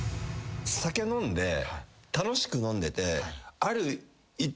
酒飲んで楽しく飲んでて。